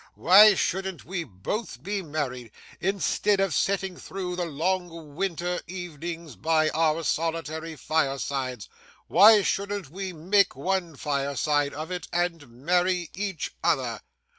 Why shouldn't we both be married, instead of sitting through the long winter evenings by our solitary firesides? Why shouldn't we make one fireside of it, and marry each other?